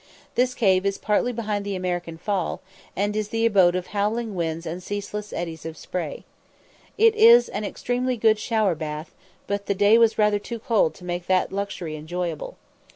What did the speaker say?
This cave is partly behind the American Fall, and is the abode of howling winds and ceaseless eddies of spray. It is an extremely good shower bath, but the day was rather too cold to make that luxury enjoyable.